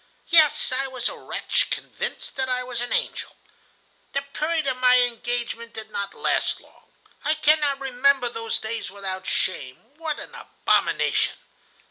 "Yes, I was a wretch, convinced that I was an angel. The period of my engagement did not last long. I cannot remember those days without shame. What an abomination!